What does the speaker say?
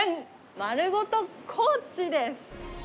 まるごと高知です！